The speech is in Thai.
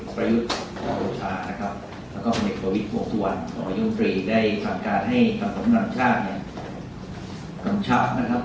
โปรยุทธ์โอโทษาพวงศวรยงตรีให้คำถามกำลังธรรมชาติ